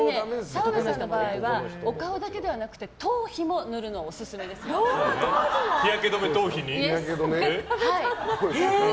澤部さんの場合はお顔だけではなくて日焼け止め、頭皮に？